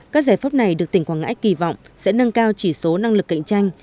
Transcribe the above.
các giải pháp này được tỉnh quảng ngãi kỳ vọng sẽ nâng cao chỉ số năng lực cạnh tranh